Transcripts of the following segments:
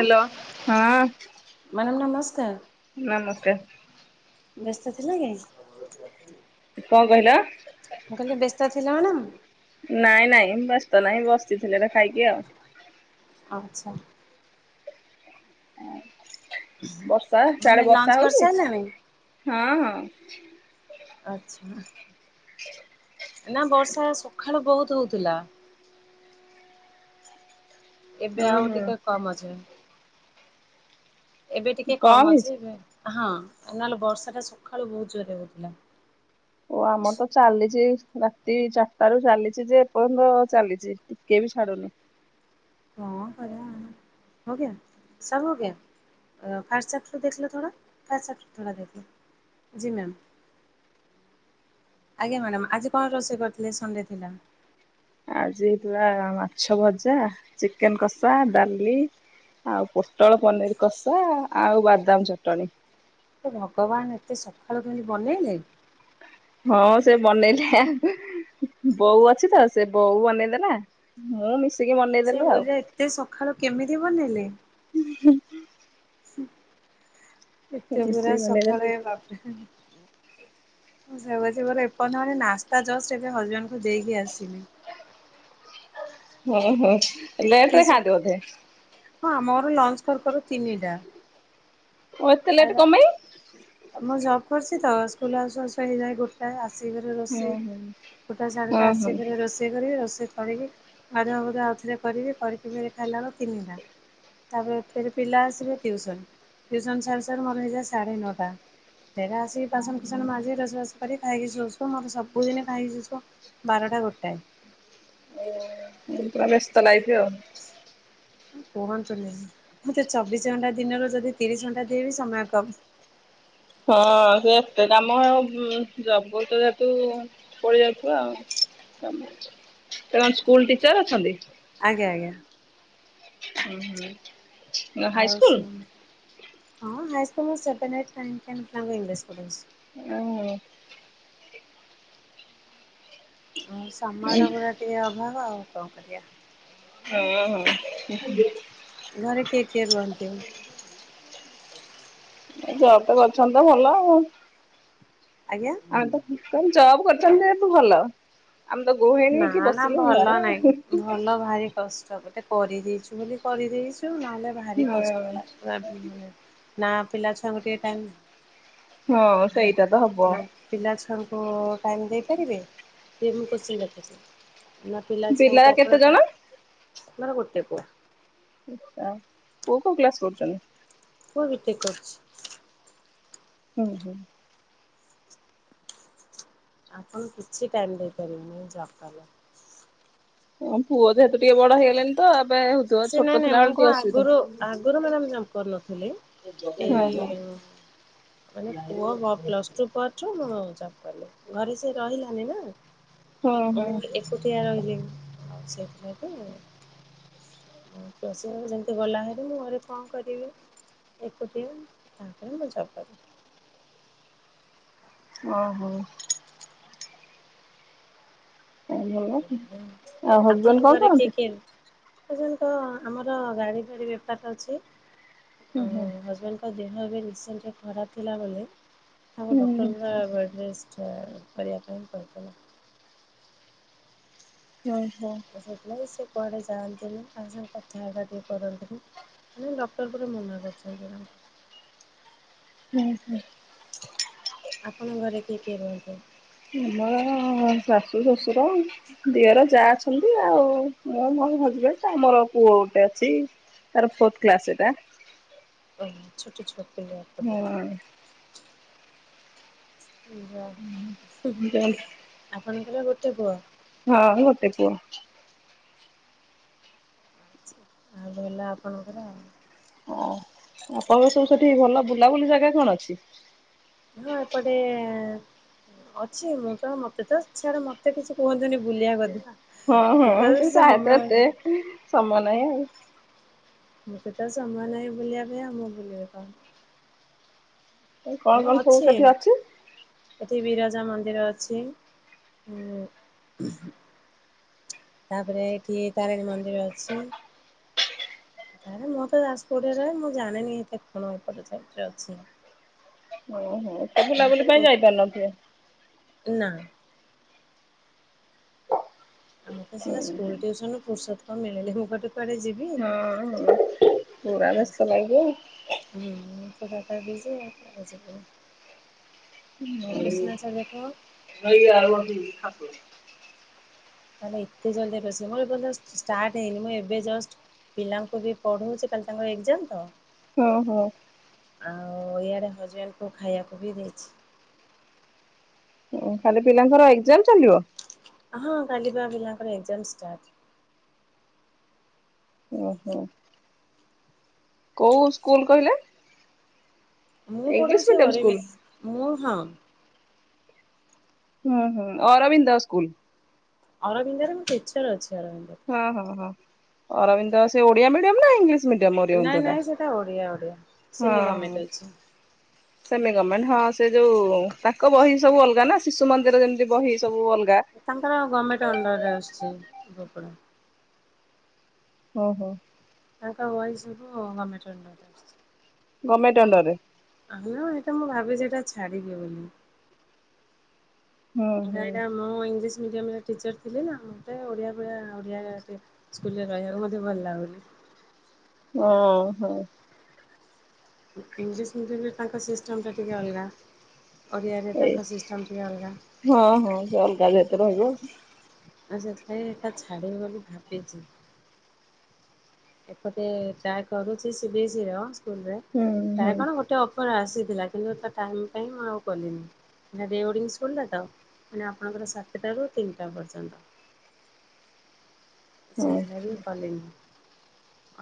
Hello ହଁ। Madam ନମସ୍କାର। ନମସ୍କାର। ବ୍ୟସ୍ତ ଥିଲ କି? କଣ କହିଲ? ମୁଁ କହିଲି ବ୍ୟସ୍ତ ଥିଲ ମ୍ୟାଡ଼ାମ? ନାଇଁ ନାଇଁ ବ୍ୟସ୍ତ ନାହିଁ ବସିଥିଲି ଏଇଠି ଖାଇକି ଆଉ। ଆଚ୍ଛା। ଅଁ ବର୍ଷା ମାନେ ସିଆଡ଼େ ବର୍ଷା ଲଞ୍ଚ ହଉଛି? କରିସାରିଲାଣି? ଆଚ୍ଛା। ନା ବର୍ଷା ସକାଳୁ ବହୁତ ହଉଥିଲା। [inaudible] ଏବେ ଆଉ ଓହୋ। ଟିକେ କମ୍ ଅଛି। ଏବେ ଟିକେ କଣ କମ ଅଛି ହେଇଛି? ଏବେ ହଁ ନହେଲେ ବର୍ଷା ଟା ସକାଳୁ ବହୁତ ଜୋରରେ ହଉଥିଲା। ଓ ଆମର ତ ଚାଲିଛି ରାତି ଚାରିଟା ରୁ ଚାଲିଛି ଯେ ଏପର୍ଯ୍ୟନ୍ତ ଚାଲିଛି। କେ ବି ଛାଡ଼ୁନି କଁଣ କରିବା ହୋ ଗୟା ସବ୍ ହୋ ଗୟା ଫାଷ୍ଟ୍ ଚାପ୍ଟର୍ ଦେଖ୍ ଲୋ ଥୋଡ଼ା। ଫାଷ୍ଟ୍ ଚାପ୍ଟର୍ ଥୋଡ଼ା ଦେଖ ଲୋ। ଜି ମ୍ୟାମ୍। ଆଜ୍ଞା ମ୍ୟାଡ଼ାାମ ଆଜି କଣ ରୋଷେଇ କରିଥିଲେ ସଣ୍ଡେ ଥିଲା। ଆଜି ହେଇଥିଲା ମାଛ ଭଜା ଚିକେନ କଷା ଡାଲି ଆଉ ପୋଟଳ ପନିର କଷା ଆଉ ବାଦାମ ଚଟଣି ଓ ଭଗବାନ ଏତେ ସକାଳୁ କେମତି ବନେଇଲେ। ହଁ ସେ ବନେଇଲି ଆଉ ବୋଉ ଅଛି ତ ସେ ବୋଉ ବନେଇଦେଲା ମୁଁ ମିଶିକି ବନେ ସେ କହୁଛି ପା ଏତେ ସକାଳୁ କେମିତି ବନେଇଲେ। ଏତେ ପୁରା ମିଶିକି ବନେଇଦେଲୁ ସକାଳେ ଏ ବାପରେ [unintelligible] ମୋର ଏପର୍ଯ୍ୟ ମାନେ ନାସ୍ତା ଜଷ୍ଟ ଏବେ ହଜବେଣ୍ଡକୁ ଦେଇକି ଆସିଲି। ହୁଁ ହୁଁ। ଲେଟ୍ ଏତେ ରେ ଖାଆନ୍ତି ସକା ବୋଧେ? ହଁ ଆମର ଲଞ୍ଚ କରୁ କରୁ ତିନିଟା ଓ ଏତେ ଆ ଲେଟ୍ କଣ ପାଇଁ? ମୁଁ ଜବ୍ କରୁଛି ତ ସ୍କୁଲ ଆସୁ ଆସୁ ହେଇଯାଏ ଗୋଟେ [unintelligible] ଆସକି ଫେରେ ହୁଁ ରୋଷେଇ ହୁଁ ଗୋଟାଏ [unintelligible] ଶଢୀ ହୁଁ ଟା ଆସିକି ହୁଁ ରୋଷେଇ କରି ରୋଷେଇ କରିକି ଗାଧୁଆ ଗଧୁଆ ଆଉଥରେ କରିବି କରିକି ଫେରେ ଖାଇଲା ବେଳକୁ ତିନିଟା ତାପରେ ଫେର୍ ପିଲା ଆସିବେ ଟିୟୁସନ ଟିୟୁସନ ସାରୁ ସାରୁ ମୋର ହେଇଯାଏ ସାଢେ ନଅଟା ଫେରେ ଆସିକି ବାସନ କୁସନ ମାଜି ରୋସୋବାସ କରିକି ଖାଇକି ଶୋଉ ଶୋଉ ମୋର ସବୁଦିନ ଖାଇକି ଶୋଉ ବାରଟା ଗୋଟାଏ [unintelligible] ପୁରା ବ୍ୟସ୍ତ ଲାଇଫ୍ ଆଉ କୁହନ୍ତୁନି ମୁଁ ତ ଚବିଶ ଘଣ୍ଟା ଦିନରୁ ଯଦି ତିରିଶ ଘଣ୍ଟା ଦେବି ସମୟ କମ୍ ହଁ ସେ ଏତେ କାମ ଜବ କରୁଛ ଯେହେତୁ ପ [unintelligible] ଯାଉଥିବା ଆଉ [unintelligible] ତା କଣ ସ୍କୁଲ ଟିଚର୍ ଅଛନ୍ତି? ଆଜ୍ଞା ଆଜ୍ଞା। ହୁଁ ହୁଁ। ଆଉ [unintelligible] ହଁ high school seven eight nine ten ପିଲାଙ୍କୁ ଇଂଲିଶ୍ ପଢ଼ଉଛି। [unintelligible] ହୁଁ ସମୟର ଗୁରା ଟିକେ ଅଭାବ ଆଉ କଣ କରିବା? ଓଁ ହୋ। ଘରେ କିଏ କିଏ ରୁହନ୍ତି? ଜବ୍ ରେ ଅଛନ୍ତି ତ ଭଲ ଆଉ ଆଜ୍ଞା? ଆଉ ତ କଣ ଜବ୍ କରିୁଛନ୍ତି ହେତୁ ଭଲ ଆମ ତ ଗୃହିଣୀ ନା ହେଇକି ନା ବସିଲୁ ଭଲ ଘରେ ନାହିଁ। ଆଉ ଭଲ ଭାରି କଷ୍ଟ ଗୋଟେ କରିଦେଇଛୁ ବୋଲି କରିଦେଇଛୁ ନହେଲେ ଭାରି କଷ୍ଟ ଲାଗେ ମାନେ ନା ପିଲା ଛୁଆଙ୍କୁ ଟିକେ ଟାଇମ୍ ହଁ ନା ସେଇଟା ତ ହବ ନା ପିଲା ଛୁଆଙ୍କୁ ଟାଇମ୍ ଦେଇପାରିବେ ଯ ମୁଁ କୋଶ୍ଚିନ୍ ଲେଖୁଛି ମା ପିଲା ଛୁଆ ତ କେତେ ଆପଣ ଜଣ? [unintelligible] ମୋର ଗୋଟେ ପୁଅ। [unintelligible] ଆଉ ପୁଅ କୋଉ କ୍ଲାସ କରୁଛନ୍ତି? ପୁଅ ବିଟେକ୍ କରଛି। ହୁଁ ହୁଁ। ଆପଣ କିଛି ଟାଇମ ଦେଇପାରିବେନି ଜବ୍ କଲେ। ହଁ ପୁଅ ଯେହେତୁ ଟିକେ ବଡ ହେଇଗଲେଣି ତ ଏବେ ଆଉ ସେ ନାଇଁ ନାଇଁ ମୁଁ କଣ ଆଗରୁ ଆଗରୁ ମ୍ୟାମ ଜବ୍ କରୁନଥିଲି। ହଁ। ଏଇ ମାନେ ପୁଅ ପ୍ଲସ ଟୁ ପ ଯୋଉ ଜବ୍ କଲେ ଘରେ ସେ ରହିଲାନି ନା ହଁ ହଁ ମୁଁ ଏକୁ ଟିଆ ରହିଲି ଆଉ ସେଇଥିଲାଗି। ପସ ଯେମିତି ଗଲା ହେରି ମୁଁ ଘରେ କଣ କରିବି? ଏକୁଟିଆ ତାପରେ ମୁଁ ଜବ୍ କରେ। ଓହୋ। ଭଲ ଆଉ ଆପଣଙ୍କ ହଜବେଣ୍ଡ କଣ ଘରେ କିଏ କରନ୍ତି? କିଏ? ହଜବେଣ୍ଡଙ୍କ ଆମର ଗାଡ଼ି ଫାଡ଼ି ବେପାର ଅଛି ହୁଁ ହୁଁ ହଜବେଣ୍ଡ ତା ଦେହ ଏବେ ରିସେଣ୍ଟରେ ଖରାପ ଥିଲା ବୋଲି ତାଙ୍କ ହୁଁ ହୁଁ ଡକ୍ଟର ରେଷ୍ଟ କରିବା ପାଇଁ କହିଥିଲା। ଓ ହୋ। ସେଇଥିଲାଗି ବି ସେ କୁଆଡେ ଯାଆନ୍ତିନି, ଆଉ ସାଙ୍ଗ କଥା ହେବା ବି କରନ୍ତିନି। ନାଇଁ ଡକ୍ଟର ପରା ମନା କରିଛନ୍ତି ଏଇନା। ହୁଁ ହୁଁ। ଆପଣଙ୍କ ଘରେ କିଏ କିଏ ରୁହନ୍ତି? ଆମର ଶାଶୁ, ଶ୍ୱଶୁର ଦିଅର ଯା ଅଛନ୍ତି, ଆଉ ମୁଁ ମୋ ହଜବେଣ୍ଡ ଆମର ପୁଅ ଗୋଟେ ଅଛି। ସାର୍ ଫୋଥ କ୍ଲାସ ଏଟା। ଓ ଛୋଟ ଛୁଆ। ପିଲା ବୋଧେ। ହଁ। ଯା ଉଁ ଆପଣଙ୍କର ଗୋଟେ ପୁଅ? ହଁ ଗୋଟେ ପୁଅ। ଆଉ ଭଲ ଆପଣଙ୍କର ଆଉ। ହଁ। ଆପଣଙ୍କର ସବୁ ସେଠି ଭଲ ବୁଲାବୁଲି ଜାଗା କଣ ଅଛି? ହଁ ଏପଟେ ଅଛି ମୁଁ ତ ମତେ ତ ସିଆଡେ ମତେ କିଛି କୁହନ୍ତିନି ବୁଲିବା କଥା। ହଁ ମତେ ହଁ ତ ସମୟ ତାହାର ଏତେ ସମୟ ନାହିଁ। ମୋତେ ତ ସମୟ ନାହିଁ ବୁଲିବା ପାଇଁ ଆଉ ମୁଁ ବୁଲିବି କଣ? କଣ ହଁ କଣ ସବୁ ଅଛି ସେଠି ଅଛି? ଏଠି ବିରଜା ମନ୍ଦିର ଅଛି, ଉ ତାପରେ ଏଠି ତାରିଣୀ ମନ୍ଦିର ଅଛି। ତାହେଲେ ମୁଁ ତ ଜାଜପୋଟରେ ରହ ମୁଁ ଜାଣିନି ଏତେ କଣ ଏପଟେ ସାଇଟରେ ଅଛି? ହଁ। ମତେ ନା। ଆମର ତ ହୁଁ ସିନା ସ୍କୁଲ ଟିଉସନ ରୁ ପୁର୍ଷତ ମିଳିଲେ ମୁଁ କୁଆଡେ ଯି ହଁ ହଁ ପୁରା ଆଉ ସେ ବେସ୍ତ ଲାଗେ। ହୁଁ ସେଟା ତ ଲାଗିଛି କୁଆଡେ ଯିବି? ଆନ୍ସର ଦେଖ [unintelligible] ହେଲେ ଏତେ ଜଲଦି ରୋଷେଇ ମୋର ଏ ଷ୍ଟାଟ ହେଇନି ମୁଁ ଏବେ ଜଷ୍ଟ ପିଲାଙ୍କୁ ବି ପଢଉଛି କାଲି ତାଙ୍କର ଏଜାମ ତ। ହଁ ହଁ। ଆଉ ଇଆଡେ ହଜବେଣ୍ଡ କୁ ଖାଇବାକୁ ଦେଇଛି। ଓ କାଲି ପିଲାଙ୍କର ଏକଜାମ ଚାଲିବ? ହଁ କାଲି ପା ପିଲାଙ୍କର ଏକଜମ୍ ଷ୍ଟାର୍ଟ। ଉଁ ହୁଁ। କୋଉ ସ୍କୁଲ କହିଲେ? ମୁଁ ଇଂଲିଶ ପଢଉଛି ମିଡିୟମ ସ୍କୁଲ ଅରବିନ୍ଦ ମୁଁ ହଁ। ହୁଁ ହୁଁ ଅରବିନ୍ଦ ସ୍କୁଲ? ଅରବିନ୍ଦରେ ମୁଁ ଟିଚର ଅଛି ଅରବିନ୍ଦରେ। ହଁ ହଁ ହଁ ଅରବିନ୍ଦ ସେ ଓଡ଼ିଆ ମିଡିୟମ ନା ଇଂଲିସି ମିଡ଼ିଅମ ନାଇଁ ଅରବିନ୍ଦ ଟା ନାଇଁ ସେଟା ଓଡିଆ ଓଡିଆ ହ ସେମି ହଁ। ଗମେଣ୍ଟ ଅଛି ସେମି ଗମେଣ୍ଟ ହଁ ସେ ଯୋଉ ତାଙ୍କ ବହି ସବୁ ଅଲଗା ଶିଶୁ ମନ୍ଦିର ଯେମତି ବହି ସବୁ ଅଲଗା ତାଙ୍କର ଗମେଣ୍ଟ ଅଣ୍ଡରରେ ଆସୁଚି ଉପକୁ ଓହୋ। ତାଙ୍କ ବହି ସବୁ ଗମେଣ୍ଟ ଅଣ୍ଡରେ ଅସୁଚି। ଗମେଣ୍ଟ ଅଣ୍ଡର ଆହାଲୋ ଏଇଟା ମୁଁ ଭାବିଚି ଏଟା ଛାଡ଼ିବି ବୋଲି। ହୁଁ ଏଟା ହୁଁ ଏଟା ମୁଁ ଇଞ୍ଚ ମିଡ଼ିୟମରେ ଟିଚର ଥିଲେ ନା ମତେ ଏ ଓଡ଼ିଆ ଫୋଡ଼ିଆ ଓଡ଼ିଆ ଏତେ ସ୍କୁଲରେ ରହିବାକୁ ମତେ ଭଲ ଲାଗୁନି। ଓହୋ। ଇଂଲିସ ମିଡିୟମରେ ତାଙ୍କ ସିଷ୍ଟମ ଟା ଟିକେ ଅଲଗା। ଓଡ଼ିଆ ରେ ଏଇ ତାଙ୍କ ସିଷ୍ଟମ ଟିକେ ଅଲଗା। ହଁ ହଁ ଯେ ଅଲଗା ଯେତେ ରହିବ ଆଛା ଛାଏ ଏଟା ଛାଡ଼ିବି ବୋଲି ଭାବିଛି। ଏପଟେ ଚାହା କରୁଛି ସିଭିସିଅ ସ୍କୁଲରେ ହୁଁ ହୁଁ ତାହା କଣ ଗୋଟେ [unintelligible] ଆସିଥିଲା କିନ୍ତୁ ତା ଟାଇମ୍ ପାଇଁ ମୁଁ ଆଉ କଲିନି। ରିଓଡ଼ିଙ୍ଗ ସ୍କୁଲଟା ତ ମାନେ ଆପଣଙ୍କର ସାତଟାରୁ ତିନିଟା ପର୍ଯ୍ୟନ୍ତ ହଁ ସେଇଥିଲାଗି ମୁଁ କଲିନି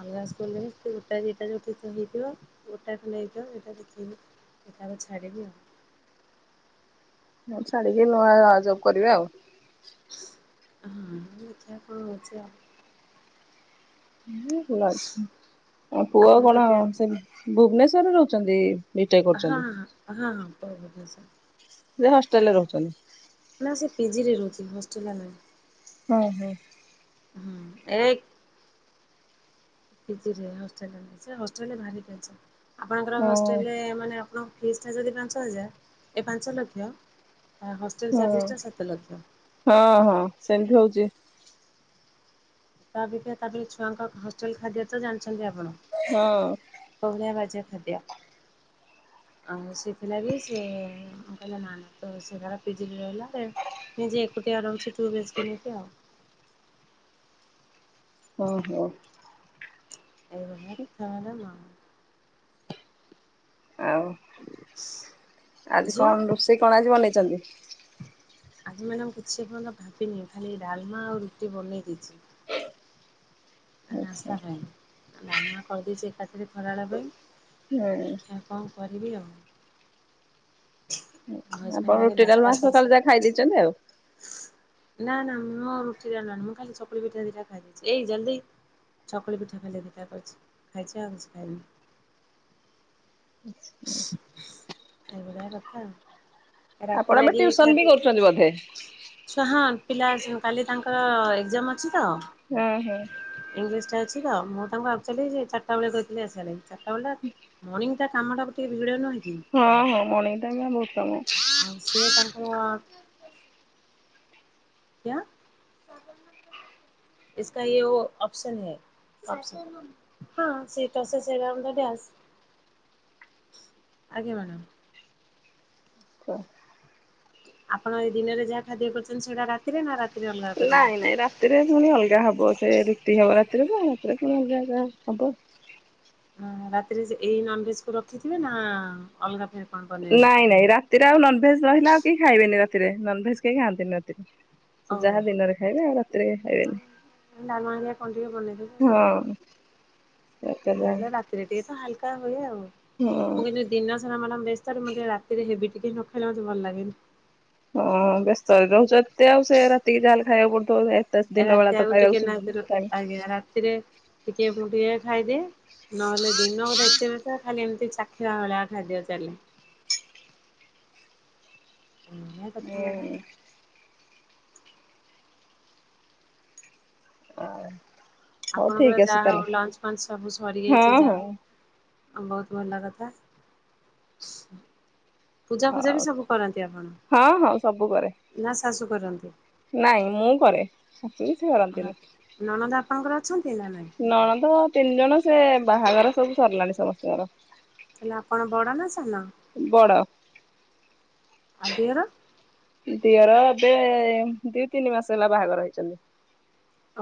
ଅଲଗା ସ୍କୁଲରେ ସେନ୍ତି ଗୋଟାଏ ଦିଇଟା ଯେଉଁଠି ହେଇଥିବ ଗୋଟାକୁୁ ନେଇଥିବ ହେଇଟାକୁ ଦେଖେଇକି ଏଇଟାକୁ ଛାଡିବି ଆଉ। ହେରା କୁ ଛାଡିକି ନୂଆ ଜବ କରିବେ ଆଉ। ହଁ ଦେଖିଆ କଣ ହୋଉଚି ଆଉ ହଁ ଭଲ ଅଛି ଅ ପୁଅ ଆପଣଙ୍କ କଣ ଟ୍ୟାପ ସେ ଭୁବନେଶ୍ୱରରେ ରହୁଛନ୍ତି ବିଟେକ୍ କରୁଛନ୍ତି। ଆହାଁ ଆହାଁ ଭୁବନେଶ୍ବର ସେ ହଷ୍ଟେଲରେ ରହୁଚନ୍ତି। ନା ସେ ପିଜିରେ ରହୁଚି ହଷ୍ଟେଲରେ ନା ଓହୋ। ହୁଁ ଏ ପିଜିରେ ହଷ୍ଟେଲରେ ସେ ହଷ୍ଟେଲରେ ଭାରି ଟେନ୍ସନ। ଆପଣଙ୍କର ହଁ ହଷ୍ଟେଲରେ ମାନେ ଆପଣଙ୍କ ଫିସ ଟା ଯଦି ପାଞ୍ଚ ହଜାର ଏ ପାଞ୍ଚ ଲକ୍ଷ ଆ ହଷ୍ଟେଲ ହଁ ଚାର୍ଜେସ ଟା ସାତଲକ୍ଷ। ହଁ ହଁ ସେମତି ହଉଚି। ତା ଅପେକ୍ଷା ତାପରେ ଛୁଆଙ୍କ ହଷ୍ଟେଲ ଖାଦ୍ୟ ତ ଜାଣିଛନ୍ତି ଆପଣ। ହଁ। କୌଭଳିଆ ବାଯ୍ୟ ଖାଦ୍ୟ ଆଉ ସେଥିଲାଗି ସେ କହିଲା ନା ନା ତ ସେତାରା ପିଜିଡ଼ି ରହିଲା ଦେନ ନିଜେ ଏକୁଟିଆ ରୋହୁଚି ଠୁବିସ୍କ ନେଇକି ଆଉ। ଓହୋ। ଏଇ ଭଳିଆ କଥା ମାନେ ମ ଆଉ ଆଜି ଝିଅ କଣ ରୋଷେଇ କଣ ଆଜି ନେଇଚନ୍ତି? ଆଜି ମ୍ୟାଡ଼ାମ କିଛି ଏପର୍ଯ୍ୟନ୍ତ ଭାବିନି ଖାଲି ଡାଲମା ଆଉ ରୁଟି ବନେଇ ଦେଇଚି। ଆ ଆଚ୍ଛା ନାସ୍ତା ପାଇଁ ଆ ଡ଼ାଲମା କରଦେଇଚି ଏକାଥରେ ଖରାବେଳେ ପାଇଁ। [unintelligible] ଙ୍କ କରିବି ଆଉ ଆପଣ ହଜବେଣ୍ଡ ଆଗେ ରୁଟି ନାସ୍ତା ଡ଼ାଲମା ସକାଳେ କରିସାରି ଯାହା ଖାଇ ଦେଇଚନ୍ତି ଆଉ। ନା ନା ମୋ ରୁଟି ଡ଼ାଲମା ମୁଁ ଖାଲି ସପୁରୀ ପିଠା ଦିଟା ଖାଇଦେଇଚି ଏ ଜଲଦି ଚକୁଳି ପିଠା ଖାଲି ଦିଇଟା କରିଛି ଖାଇଛି ଆଉ କିଛି ଖାଇନି। ଏଇ ଭଳିଆ କଥା ଆଉ। ରାତି ଆପଣ ଏବେ ଲାଗି ଟିଉସନ ବି ଖାଦ୍ୟ କରୁଛନ୍ତି ବୋଧେ? ଛୁଆ ହଁ ପିଲା କାଲି ତାଙ୍କର ଏକ୍ଜାମ ଅଛି ତ ହଁ ହଁ ଇଂଲିଶ ଟା ତ ମୁଁ ତାଙ୍କୁ ଆକଚୁଆଲି ଚାରିଟା ବେଳେ କହିଥିଲି ଆସିବାଲାଗି ଚାରିଟା ବେଳଟା ମର୍ନିଙ୍ଗ କାମଟାକୁ ଟିକେ ଭିଡ଼ ନୁହେଁ କି। ହଁ ହଁ ମର୍ନିଙ୍ଗ ଟାଇମ ରେ ବହୁତ କାମ। ଆଉ ସିଏ ତାଙ୍କର କ୍ୟା ଇସକା ଏ ଓ ଅପ୍ସନ୍ ହୈ, ଅପ୍ସନ୍। ହଁ ସେଇଟା ସେ [unintelligible] ଡ୍ୟାସ୍ [inaudible] ଆଜ୍ଞା ମ୍ୟାଡ଼ମ୍। ଆପଣ ଏଇ ଦିନରେ ଯାହା ଖାଦ୍ୟ କରୁଛନ୍ତି ସେଇଟା ରାତିରେ ନା ରା ନାଇଁ ନାଇଁ ରା ରାତିରେ ପୁଣି ଅଲଗା ହବ ସେ ରୁଟି ହବ ରାତିରେ ରାତିରେ ପୁଣି ଅଲଗା ଅଲଗା ହବ। ରାତିରେ ଏଇ ନନଭେଜ କୁ ରଖିଥିବେ ନା ଅଲଗା ଫେରେ କଣ ବନେଇବେ? ନାଇଁ ନାଇଁ ରାତିରେ ଆଉ ନନଭେଜ ରହିଲା ଆଉ କେହି ଖାଇବେନି ରାତିରେ ନନଭେଜ କେହି ଖାଆନ୍ତିନି ରାତିରେ। ସେ ଓହୋ ଯାହା ଦିନରେ ଖାଇବେ ଆଉ ରାତିରେ ଡାଲମା ହେରିକା କଣ ଟିକେ ଖାଇବେନି ହଁ। ରାତିରେ ଯାହା [unintelligible] ଲେ ରାତିରେ ଟିକେ ତ ହାଲକା ହୁଏ ଆଉ। ହଁ। ମୁଁ କିନ୍ତୁ ଦିନ ସାରା ମ୍ୟାଡ଼ାମ ବ୍ୟସ୍ତରେ ମତେ ରାତିରେ ହେବିି ଟିକେ ନ ଖାଇଲେ ମତେ ଭଲ ଲାଗେନି। ହଁ ବ୍ୟସ୍ତରେ ରହୁଛ ଏତେ ଆଉ ସେ ରାତିକି ଯାହେଲେ ଖାଇବାକୁ ପଡୁଥିବ। ଏତେ ଦିନ ବେଳା ରାତି ତ ଆଗ ଖାଇବାକୁ ଟିକେ ସୁଝୁନି ନାଗୁରୁ ଟାଇମ୍ ଆଜ୍ଞା ରାତିରେ ଟିକେ ମୁଁ ଟିକେ ଖାଇଦିଏ ନହେଲେ ଦିନ ଗୋଟେ ଏତେ [unintelligible] ଖାଲି ଏମିତି ଚାଖିଆ ଭଳିଆ ଖାଦ୍ୟ ଚାଲେ। ମୋ କଥା ହୁଁ ମ୍ୟାଡ଼ାମ ହଉ ଠିକ ଆପଣଙ୍କର ଅଛି ଯାହା ହଉ ତାହେଲେ ଲଞ୍ଚ ଫଞ୍ଚ ସବୁ ହଁ ସରିଯାଇଛି ହଁ ଯାହା ହଉ। ବହୁତ ଭଲ କଥା। ପୂଜା ଫୂଜା ବି ହଉ ସବୁ କରନ୍ତି ଆପଣ ହଁ ହଁ ସବୁ କରେ ନା ଶାଶୁ କରନ୍ତି? ନାଇଁ ମୁଁ କରେ ଶାଶୁ କିଛି କରନ୍ତିନି। ନଣନ୍ଦ ଆପଣଙ୍କର ଅଛନ୍ତି ନା ନାହିଁ? ନଣନ୍ଦ ତିନି ଜଣ ସେ ବାହାଘର ସବୁ ସରିଲାଣି ସମସ୍ତଙ୍କର। ତାହାଲେ ଆପଣ ବଡ ନା ସାନ ବଡ ଆଉ ଦିଅର? ଦିଅର ଏବେ ଦି ତିନି ମାସ ହେଲା ବାହାଘର ହେଇଛନ୍ତି।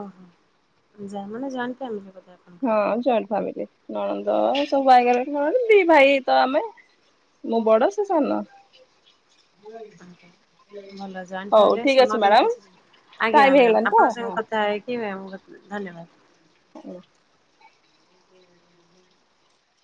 ଓହୋ ଯା ମାନେ ଜଏଣ୍ଟ ଫ୍ୟାମିଲୀ ବୋଧେ ଆପଣ ହଁ ଜଏଣ୍ଟ ଫ୍ୟାମିଲି। ନଣନ୍ଦ ସବୁ ବାହା ହେଇ ଗଲେଣି ନଣନ୍ଦ ଦି ଭାଇ ତ ଆମେ। ମୁଁ ବଡ ସେ ସାନ। ଆଜ୍ଞା ଭଲ ଜଏଣ୍ଟ ହଉ ଫ୍ୟାମିଲି ରେ ଠିକ ସମ୍ ଅଛି କେମିତି ମ୍ୟାଡାମ [unintelligible] ଆଜ୍ଞା ଟାଇମ ମ୍ୟାଡାମ ହେଇଗଲାଣି ତ ଆପଣଙ୍କ ହଁ। ସାଙ୍ଗେ କଥା ହେଇକି ମ୍ୟାମ ବହୁତ୍ ଧନ୍ୟବାଦ। ହୁଁ।